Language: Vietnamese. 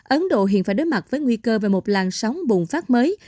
ấn độ hiện phải đối mặt với nguy cơ về một làn sóng bùng phát mới